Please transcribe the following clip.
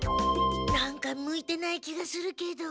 なんか向いてない気がするけど。